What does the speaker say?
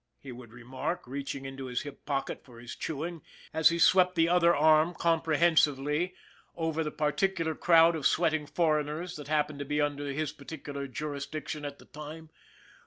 " he would remark, reaching into his hip pocket for his " chewing," as he swept the other arm comprehensively 128 ON THE IRON AT BIG CLOUD over the particular crowd of sweating foreigners that happened to be under his particular jurisdiction at the time.